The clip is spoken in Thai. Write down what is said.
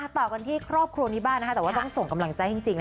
ต่อกันที่ครอบครัวนี้บ้างนะคะแต่ว่าต้องส่งกำลังใจจริง